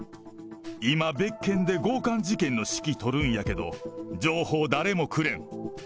今、別件で強姦事件の指揮取るんやけど、情報誰もくれん。